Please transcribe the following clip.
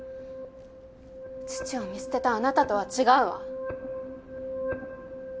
父を見捨てたあなたとは違うわ。